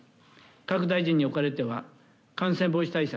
各大臣に置かれては感染防止対策